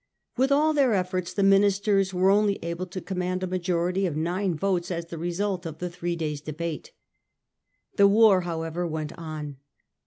With all their efforts, the ministers were only able to command a majority of nine votes as the result of the three days' debate. The war, however, went on.